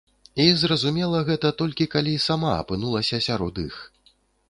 І зразумела гэта, толькі калі сама апынулася сярод іх.